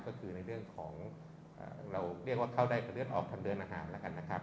ก็คือในเรื่องของเราเรียกว่าเข้าได้กับเลือดออกทางเดินอาหารแล้วกันนะครับ